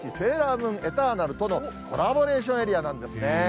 ムーンエターナルとのコラボレーションエリアなんですね。